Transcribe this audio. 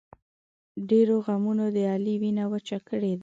ډېرو غمونو د علي وینه وچه کړې ده.